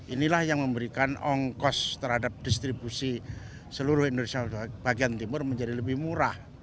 inilah yang memberikan ongkos terhadap distribusi seluruh indonesia bagian timur menjadi lebih murah